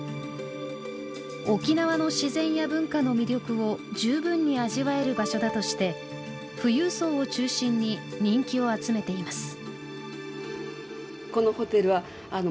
沖縄の自然や文化の魅力を十分に味わえる場所だとして富裕層を中心に人気を集めています。